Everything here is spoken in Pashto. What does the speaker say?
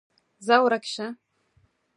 ځه ورک شه!